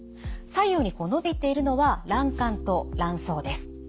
左右にのびているのは卵管と卵巣です。